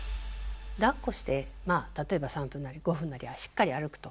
だっこして例えば３分なり５分なりしっかり歩くと。